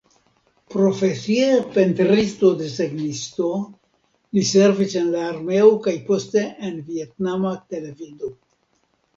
Profesie pentristo-desegnisto, li servis en la armeo kaj poste en vjetnama televido.